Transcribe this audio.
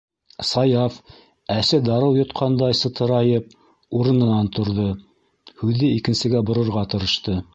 - Саяф, әсе дарыу йотҡандай сытырайып, урынынан торҙо, һүҙҙе икенсегә борорға тырышты.